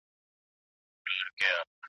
شتمني باید د ځانګړو کسانو په لاس کي نه وي.